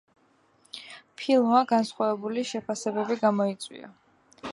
ფილმმა განსხვავებული შეფასებები გამოიწვია.